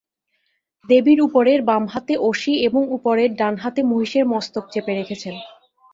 দেবীর উপরের বামহাতে অসি এবং উপরের ডানহাতে মহিষের মস্তক চেপে রেখেছেন।